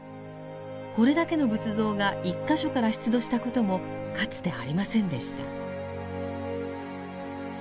これだけの仏像が１か所から出土したこともかつてありませんでした。